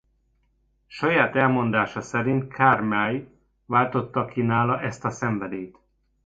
Saját elmondása szerint Karl May váltotta ki nála ezt a szenvedélyt.